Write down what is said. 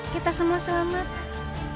kita semua selamat